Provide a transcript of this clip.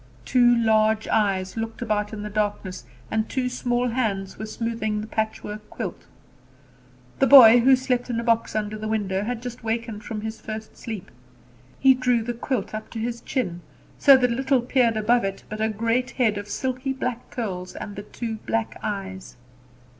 Two large eyes looked about in the darkness, and two small hands were smoothing the patchwork quilt. The boy, who slept on a box under the window, had just awakened from his first sleep. He drew the quilt up to his chin, so that little peered above it but a great head of silky black curls and the two black eyes.